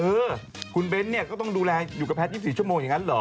เออคุณเบ้นเนี่ยก็ต้องดูแลอยู่กับแพทย์๒๔ชั่วโมงอย่างนั้นเหรอ